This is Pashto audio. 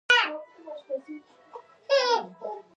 اوبو ته تودوخه ورکړئ او پیشقاب د لوښي مخ ته ونیسئ.